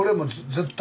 絶対。